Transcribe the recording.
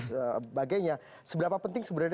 sebagainya seberapa penting